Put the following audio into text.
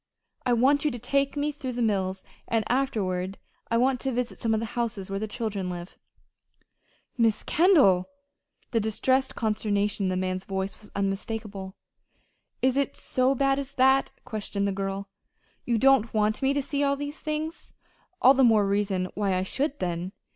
I want you to take me through the mills, and afterward I want to visit some of the houses where the children live." "Miss Kendall!" The distressed consternation in the man's voice was unmistakable. "Is it so bad as that?" questioned the girl. "You don't want me to see all these things? All the more reason why I should, then!